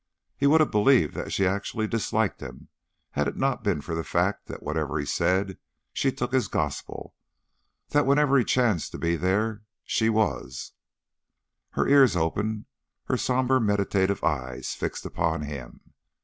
He would have believed that she actually disliked him, had it not been for the fact that whatever he said, she took as gospel, that wherever he chanced to be there she was, her ears open, her somber, meditative eyes fixed upon him.